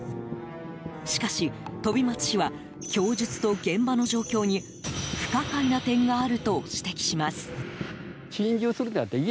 しかし、飛松氏は供述と現場の状況に不可解な点があると指摘します。